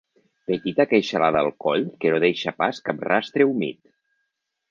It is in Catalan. Petita queixalada al coll que no deixa pas cap rastre humit.